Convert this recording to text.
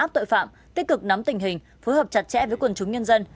các đối tượng tội phạm tích cực nắm tình hình phối hợp chặt chẽ với quần chúng nhân dân